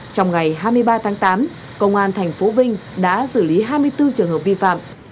trong ngày hai mươi ba tháng tám công an tp vinh đã xử lý hai mươi bốn trường hợp vi phạm